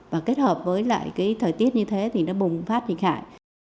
và kết hợp với thời tiết như thế thì nó bùng phát trình hại